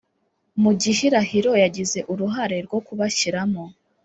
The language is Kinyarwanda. mu gihirahiro yagize uruhare rwo kubashyiramo.